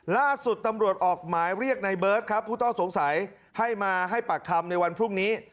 ล่าสุดตำรวจออกหมายเรียกในเบิร์ตครับผู้ต้องสงสัยให้มาให้ปากคำในวันพรุ่งนี้